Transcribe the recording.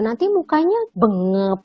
nanti mukanya bengep